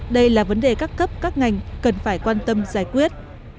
đây là vấn đề các cấp các ngành cần phải quan tâm giải quyết